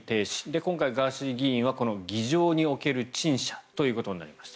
今回、ガーシー議員はこの議場における陳謝ということになりました。